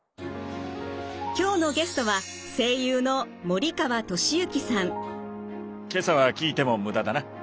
今日のゲストは「今朝は聞いても無駄だな。